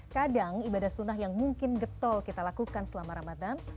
kadang ibadah sunnah yang mungkin getol kita lakukan selama ramadan